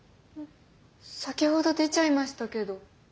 先ほど出ちゃいましたけど。